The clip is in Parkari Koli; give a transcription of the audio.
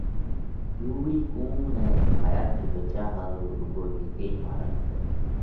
ۮُوٻۯِي قُوم ڪنَ ھايا ٿِي ڀچيا ۿارُو روڳو ھيڪئھ مارڳ سئہ